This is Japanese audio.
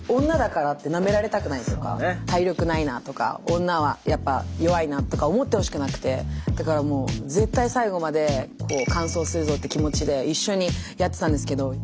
女だからってなめられたくないとか体力ないなとか女はやっぱ弱いなとか思ってほしくなくてだからもう絶対最後まで完走するぞって気持ちで一緒にやってたんですけど。